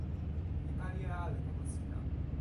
mi pali e ale tawa sina.